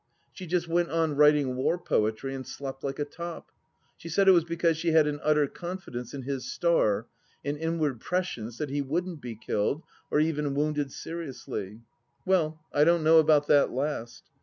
She just went on writing war poetry and slept like a top. She said it was because she had an utter confidence in his star, an inward prescience that he wouldn't be killed, or even woxmded seriously. Well, I don't know about that last.